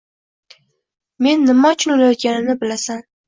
Men nima uchun o‘layotganimni bilasan.